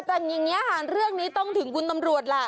ถ้าอย่างนี้ถึงคุณตำรวจ